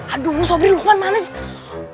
aduh sobri lupan mana sih